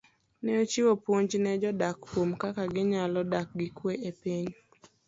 Ne ochiwo puonj ne jodak kuom kaka ginyalo dak gi kwee e piny.